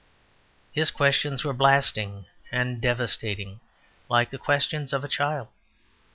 His questions were blasting and devastating, like the questions of a child.